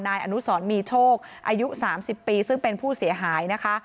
นายอนุสรมีโชคอายุ๓๐ปีซึ่งเป็นผู้เสียหายนะคะ